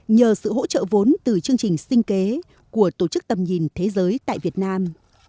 nhờ sự hỗ trợ vốn từ chương trình sinh kế của tổ chức tầm nhìn thế giới tại việt nam